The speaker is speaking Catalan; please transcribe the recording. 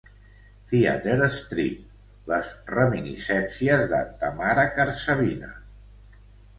Theatre Street: Les reminiscències de Tamara Karsavina.